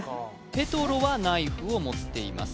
ペトロはナイフを持っています